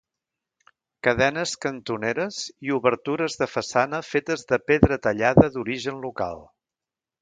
Cadenes cantoneres i obertures de façana fetes de pedra tallada d'origen local.